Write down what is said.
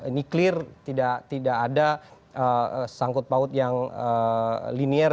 ini clear tidak ada sangkut paut yang linier